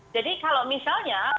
jadi kalau misalnya